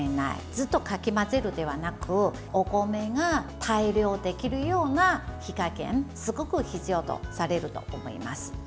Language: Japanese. ずっとかき混ぜるではなくお米が対流できるような火加減がすごく必要とされると思います。